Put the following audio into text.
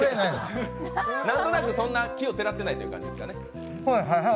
なんとなく奇をてらってないという感じですかね。